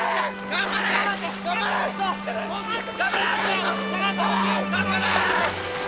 頑張れー！